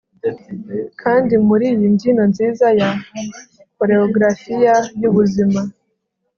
kandi muri iyi mbyino nziza ya koreografiya y'ubuzima